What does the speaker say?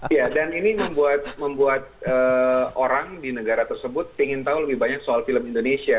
ya dan ini membuat orang di negara tersebut ingin tahu lebih banyak soal film indonesia